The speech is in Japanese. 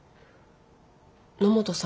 野本さん。